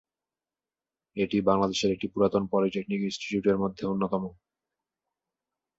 এটি বাংলাদেশের একটি পুরাতন পলিটেকনিক ইনস্টিটিউটের মধ্যে অন্যতম।